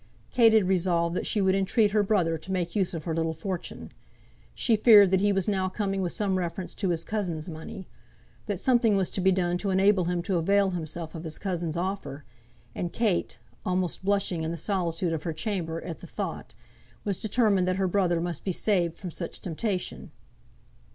Kate had resolved that she would entreat her brother to make use of her little fortune. She feared that he was now coming with some reference to his cousin's money, that something was to be done to enable him to avail himself of his cousin's offer; and Kate, almost blushing in the solitude of her chamber at the thought, was determined that her brother must be saved from such temptation.